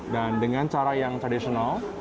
dan dengan cara yang tradisional